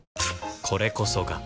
これこそが